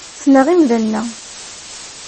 Ssneɣ imdanen-a.